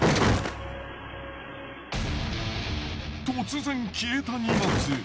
突然消えた荷物。